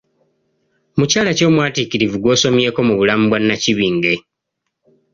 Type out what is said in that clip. Mukyala ki omwatiikirivu gw'osomyeko mu bulamu bwa Nnakibinge ?